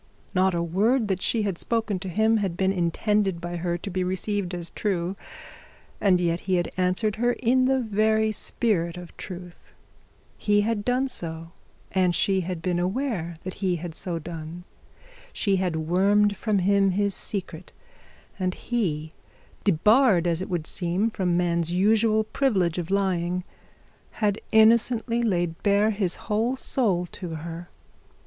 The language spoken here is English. Not a word that she had spoken to him had been intended by her to be received as true, and yet he had answered her in the very spirit of truth. He had done so, and she had been aware that he had done so. She had wormed from him his secret; and he, debarred as it would seem from man's usual privilege of lying, had innocently laid bare his whole soul to her.